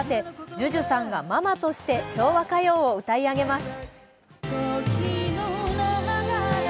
ＪＵＪＵさんがママとして昭和歌謡を歌い上げます。